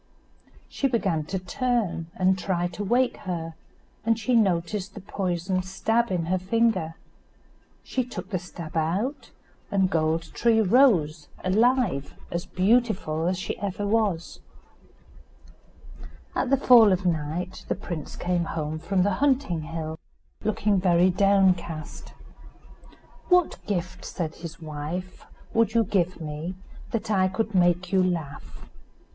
She began to turn and try to wake her, and she noticed the poisoned stab in her finger. She took the stab out, and Gold tree rose alive, as beautiful as she was ever. At the fall of night the prince came home from the hunting hill, looking very downcast. "What gift," said his wife, "would you give me that I could make you laugh?"